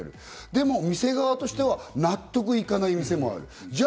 でも店側としては納得いかない店もある。